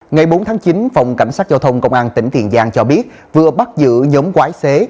ngày bốn tháng chín phòng cảnh sát giao thông công an tỉnh tiền giang cho biết vừa bắt giữ nhóm quái xế